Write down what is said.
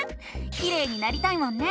きれいになりたいもんね！